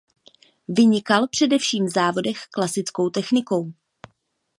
Vynikal především v závodech klasickou technikou.